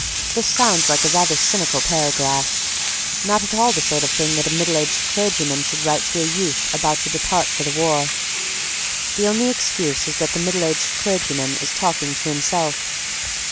This sounds like a rather cynical paragraph, not at all the sort of thing that a middle aged clergyman should write to a youth about to depart for the war; the only excuse is that the middle aged clergyman is talking to himself.